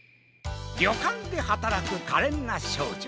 りょかんではたらくかれんなしょうじょ